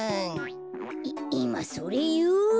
いいまそれいう？